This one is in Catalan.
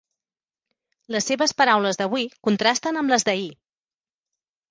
Les seves paraules d'avui contrasten amb les d'ahir.